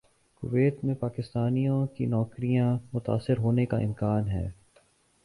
Kuwait میں پاکستانیوں کی نوکریاں متاثر ہونے کا امکان ہے